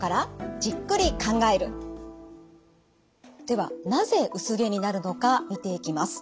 ではなぜ薄毛になるのか見ていきます。